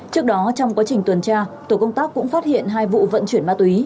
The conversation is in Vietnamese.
trước đó trong quá trình tuần tra tổ công tác cũng phát hiện hai vụ vận chuyển ma túy